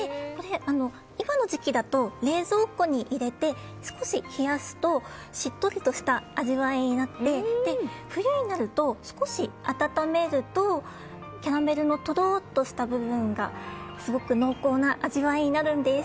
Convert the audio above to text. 今の時期だと冷蔵庫に入れて少し冷やすとしっとりとした味わいになって冬になると少し温めるとキャラメルのとろっとした部分がすごく濃厚な味わいになるんです。